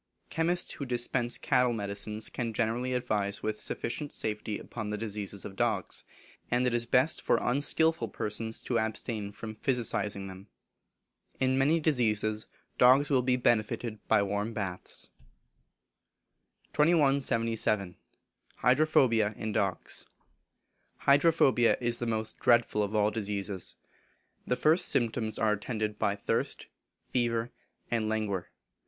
Chemists who dispense cattle medicines can generally advise with sufficient safety upon the diseases of dugs, and it is best for unskilful persons to abstain from physicing them. In many diseases dogs will be benefited by warm baths. 2177. Hydrophobia in Dogs. Hydrophobia is the most dreadful of all diseases. The first symptoms are attended by thirst, fever, and languor.